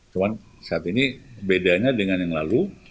cuma saat ini bedanya dengan yang lalu